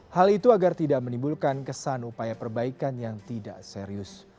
hal itu agar tidak menimbulkan kesan upaya perbaikan yang tidak serius